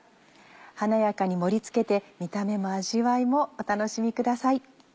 華やかに盛り付けて見た目も味わいもお楽しみください。